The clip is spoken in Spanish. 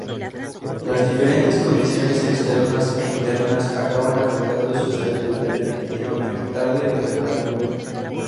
Las diferentes condiciones externas e internas acaban afectando su estabilidad definitivamente tarde o temprano.